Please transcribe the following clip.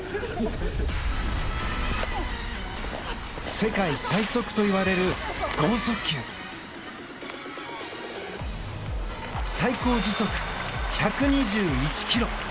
世界最速といわれる最高時速１２１キロ。